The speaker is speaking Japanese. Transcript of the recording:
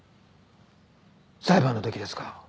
裁判の時ですか？